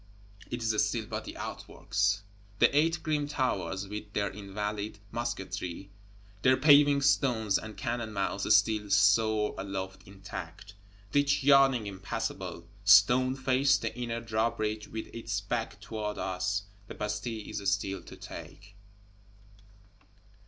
it is still but the outworks. The Eight Grim Towers, with their Invalide musketry, their paving stones and cannon mouths, still soar aloft intact; Ditch yawning impassable, stone faced; the inner Drawbridge with its back toward us; the Bastille is still to take!